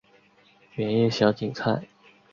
圆叶小堇菜